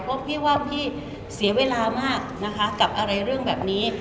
เพราะพี่ว่าพี่เสียเวลามากนะคะกับอะไรเรื่องแบบนี้